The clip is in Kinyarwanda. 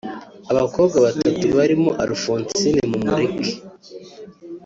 Abakobwa batatu barimo Alphonsine Mumureke